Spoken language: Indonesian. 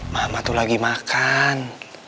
mama tuh lagi makan